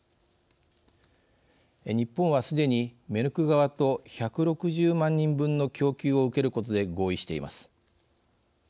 日本は、すでにメルク側と１６０万人分の供給を受けることで合意しています。